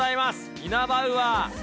イナバウアー。